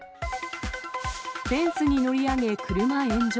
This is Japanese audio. フェンスに乗り上げ、車炎上。